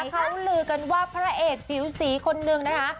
เขาลือกันว่าพระเอกผิวสีคนนึงนะคะ